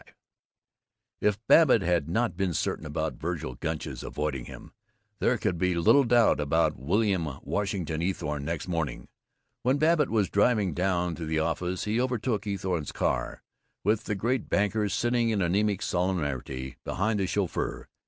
V If Babbitt had not been certain about Vergil Gunch's avoiding him, there could be little doubt about William Washington Eathorne, next morning. When Babbitt was driving down to the office he overtook Eathorne's car, with the great banker sitting in anemic solemnity behind his chauffeur.